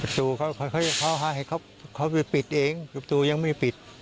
ตูเขาให้เขาไปปิดเองประตูยังไม่ปิด